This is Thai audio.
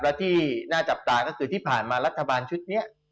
และที่น่าจับตาก็คือที่ผ่านมารัฐบาลชุดนี้